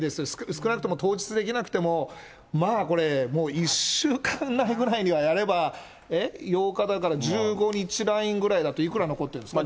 少なくとも当日できなくても、まあこれ、１週間内ぐらいにはやれば、８日だから、１５日ラインぐらいだと、いくら残ってるんですか。